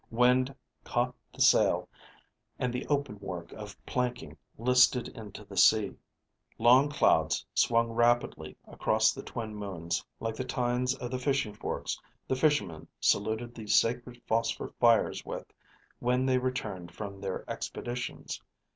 Wind caught the sail, and the open work of planking listed into the sea. Long clouds swung rapidly across the twin moons like the tines of the fishing forks the fishermen saluted the sacred phosphor fires with when they returned from their expeditions.